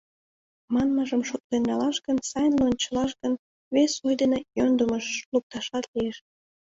Манмыжым шотлен налаш гын, сайын лончылаш гын, вес ой дене йӧндымыш лукташат лиеш.